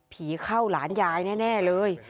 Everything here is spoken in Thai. ผีเข้าหลานยายแน่เลย